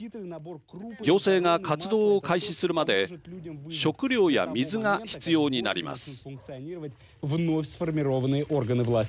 行政が活動を開始するまで食料や水が必要になります。